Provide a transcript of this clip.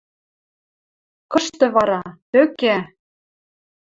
Кышты вара — тӧкӓ!